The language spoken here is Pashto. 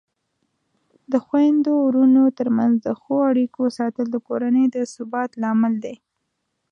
د خویندو ورونو ترمنځ د ښو اړیکو ساتل د کورنۍ د ثبات لامل دی.